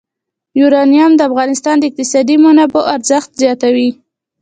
یورانیم د افغانستان د اقتصادي منابعو ارزښت زیاتوي.